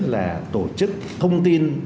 là tổ chức thông tin